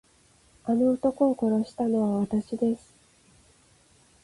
あの男を殺したのはわたしです。